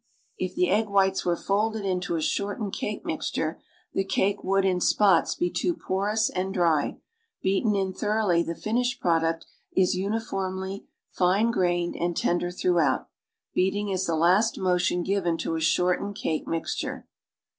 If Llie egg whites were folded into a shortened cake mixture, the cake would, in spots, be too porous and dry; beaten in thoroughly the finished product is uniformly fine grained and tender throughout. Beating is the last motion given to a shortened cake mixture.